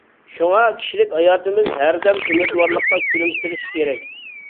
شۇڭا، كىشىلىك ھاياتىمىز ھەردەم ئۈمىدۋارلىقتا كۈلۈمسىرىشى كېرەك.